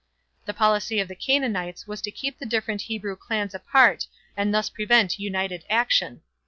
The policy of the Canaanites was to keep the different Hebrew clans apart and thus prevent united action.